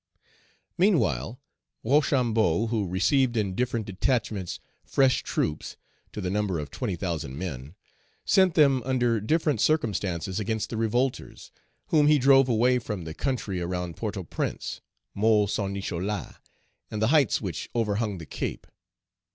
Meanwhile, Rochambeau, who received in different detachments fresh troops, to the number of 20,000 men, sent them under different circumstances against the revolters, whom he drove away from the country around Port au Prince, Môle Saint Nicholas, and the heights which overhung the Cape.